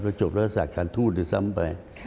ถ้าจบรัฐศาสตร์การทูตอยู่ซ้ำไป